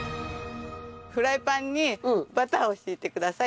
フライパンにバターを引いてください。